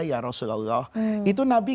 ya rasulullah itu nabi